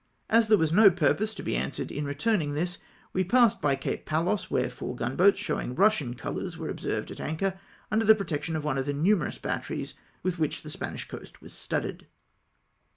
As there was no purpose to be answered in returning tliis, we passed by Cape Palos, where four gunboats showing Eussian colours were observed at anchor under the protection of one of the numerous batteries with which the Spanish coast was studded.